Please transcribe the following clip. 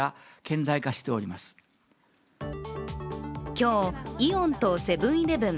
今日、イオンとセブン−イレブン